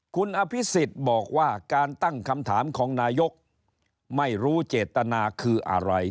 คุณอภิษฎบอกว่าการตั้งคำถามของนายกไม่รู้เจตนาคืออะไร